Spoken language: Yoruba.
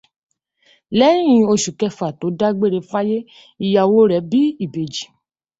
Lẹyìn oṣù kẹfà tó dágbére fáyé, ìyàwó rẹ bí ìbejì.